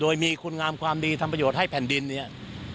โดยมีคุณงามความดีทำประโยชน์ให้แผ่นดินเนี่ย